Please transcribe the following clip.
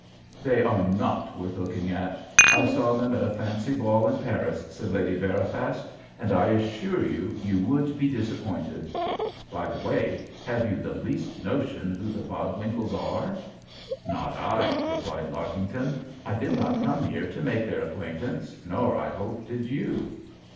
"They are not worth looking at; I saw them at a fancy ball in Paris," said Lady Veriphast, "and I assure you you would be disappointed. By the way, have you the least notion who the Bodwinkles are?" "Not I," replied Larkington. "I did not come here to make their acquaintance, nor I hope did you."